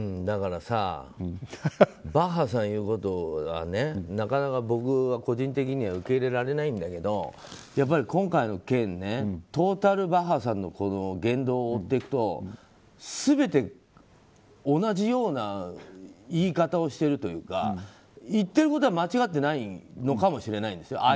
だからバッハさんが言うことはなかなか僕は個人的には受け入れられないんだけど今回の件、トータルバッハさんの言動を追っていくと全て同じような言い方をしているというか言っていることは間違ってないのかもしれないです。